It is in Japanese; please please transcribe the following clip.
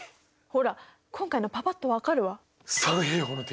ほら今回のパパっと分かるは？